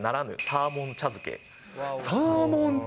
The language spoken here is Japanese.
サーモン茶漬け？